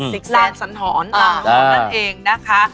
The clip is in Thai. ศิกษาสันธรณ์อ่ะนั่นเองนะคะ